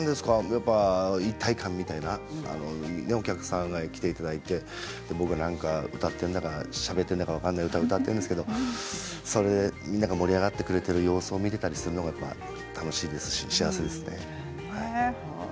やっぱり、一体感みたいなお客さんに来ていただいて僕は歌っているんだかしゃべっているんだか分からない歌を歌ってるんですがそれでみんなが盛り上がっている様子を見ているのが楽しいですし幸せですね。